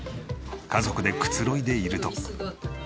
家族でくつろいでいると。